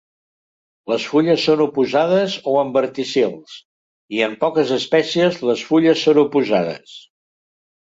Les fulles són oposades o en verticils i en poques espècies les fulles són oposades.